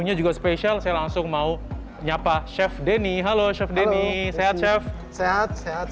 semuanya juga spesial saya langsung mau nyapa chef denny halo chef denny sehat chef sehat sehat